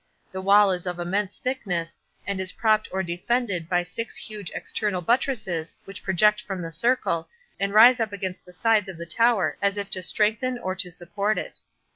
The wall is of immense thickness, and is propped or defended by six huge external buttresses which project from the circle, and rise up against the sides of the tower as if to strengthen or to support it.